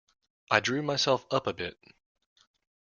I drew myself up a bit.